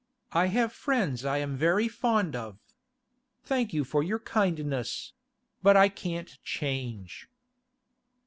I have friends I am very fond of. Thank you for your kindness—but I can't change.